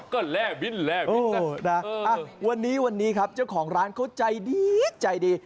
ก็แร่บิ้นแร่บิ้นนะวันนี้วันนี้ครับเจ้าของร้านเขาใจดีใจดี